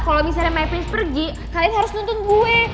kalo misalnya my prince pergi kalian harus nuntun gue